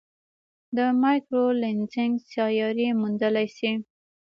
د مایکرو لینزینګ سیارې موندلای شي.